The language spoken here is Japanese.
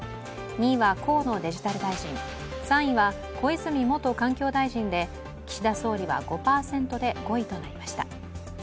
２位は河野デジタル大臣、３位は小泉元環境大臣で岸田総理は５％で５位となりました。